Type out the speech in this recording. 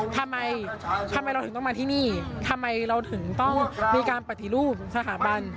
ทำไมทำไมเราถึงต้องมาที่นี่ทำไมเราถึงต้องมีการปฏิรูปสถาบัน